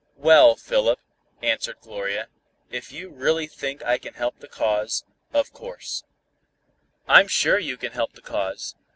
"Well, Philip," answered Gloria, "if you really think I can help the cause, of course " "I'm sure you can help the cause.